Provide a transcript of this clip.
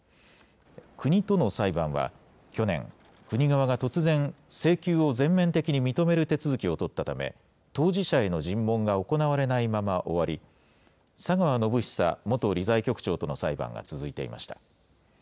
国との裁判は去年、国側が突然、請求を全面的に認める手続きを取ったため、当事者への尋問が行われないまま終わり、佐川宣寿元理財局長との裁判が続いていました。